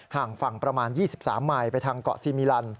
ห่างฝั่งประมาณ๒๓มายไปทางเกาะซีมิลัน